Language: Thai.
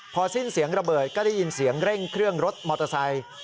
พอสิ้นเสียงระเบิดก็ได้ยินเสียงเร่งเครื่องรถมอเตอร์ไซค์